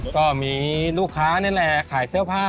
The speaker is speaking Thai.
ก็มีลูกค้านี่แหละขายเสื้อผ้า